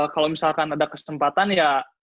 kalau misalkan ada kesempatan ya